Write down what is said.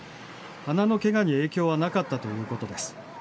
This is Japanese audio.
鼻のケガに影響はなかったということです。